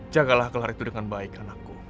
jagalah kelar itu dengan baik anakku